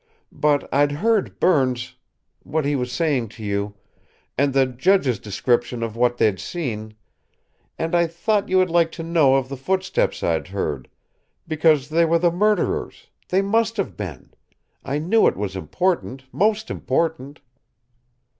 "But I'd heard Berne's what he was saying to you and the judge's description of what they'd seen; and I thought you would like to know of the footsteps I'd heard because they were the murderer's; they must have been. I knew it was important, most important."